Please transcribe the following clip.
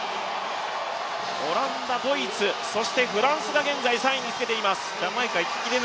オランダ、ドイツ、そしてフランスが現在３位につけています。